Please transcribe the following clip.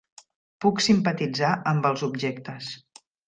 Puc simpatitzar amb els objectes.